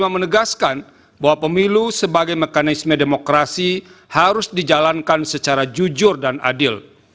menegaskan bahwa pemilu sebagai mekanisme demokrasi harus dijalankan secara jujur dan adil